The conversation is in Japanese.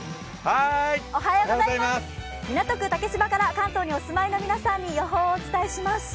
港区竹芝から関東にお住まいの皆さんに予報をお伝えします。